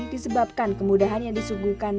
disebabkan kemudahan yang disungguhkan